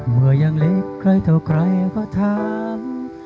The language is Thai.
เมื่อยังเล็กใครเท่าใครก็ถาม